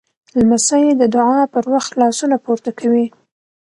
لمسی د دعا پر وخت لاسونه پورته کوي.